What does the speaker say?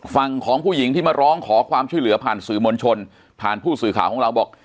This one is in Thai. ฝั่งของผู้หญิงที่มาร้องขอความช่วยเหลือผ่านสื่อมวลชนผ่านผู้สื่อข่าวของเราบอก